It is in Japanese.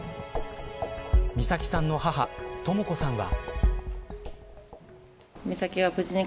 美咲さんの母、とも子さんは。